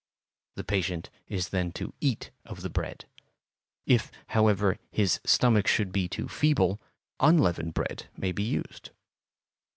The patient is then to eat of the bread; if, however, his stomach should be too feeble, unleavened bread may be used.